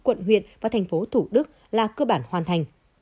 quận huyện và tp thủ đức là cơ bản hoàn thành